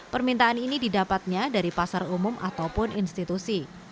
permintaan ini didapatnya dari pasar umum ataupun institusi